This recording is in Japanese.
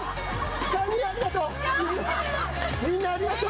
３人、ありがとう。